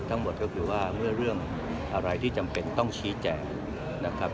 ทั้งหมดก็คือว่าเมื่อเรื่องอะไรที่จำเป็นต้องชี้แจงนะครับ